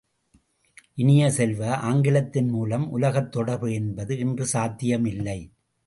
இனிய செல்வ, ஆங்கிலத்தின் மூலம் உலகத் தொடர்பு என்பது இன்று சாத்தியமில்லை!